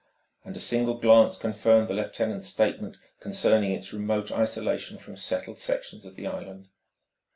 And a single glance confirmed the lieutenant's statement concerning its remote isolation from settled sections of the island.